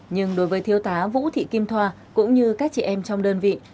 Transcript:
nhưng đối với thiếu tá vũ thị kim thoa cũng như các chị em trong đơn vị